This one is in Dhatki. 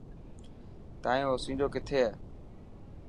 تايون اوسينجو ڪٿي هي.